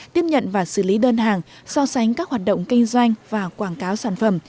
tiếp nhận và xử lý đơn hàng so sánh các hoạt động kinh doanh và quảng cáo sản phẩm